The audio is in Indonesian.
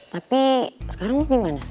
tapi sekarang lo dimana